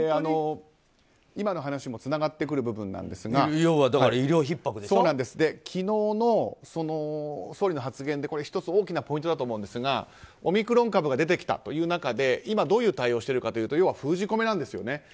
今の話もつながってくる部分なんですが昨日の総理の発言で１つ、大きなポイントだと思うんですがオミクロン株が出てきたという中で今、どういう対応をしているかというと要は封じ込めなんですよね。